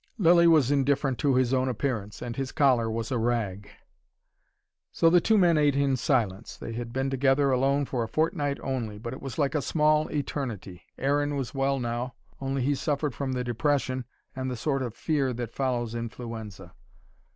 Lilly was indifferent to his own appearance, and his collar was a rag. So the two men ate in silence. They had been together alone for a fortnight only: but it was like a small eternity. Aaron was well now only he suffered from the depression and the sort of fear that follows influenza.